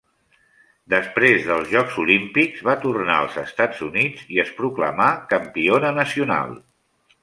Després dels Jocs Olímpics va tornar als Estats Units i es proclamà campiona nacional.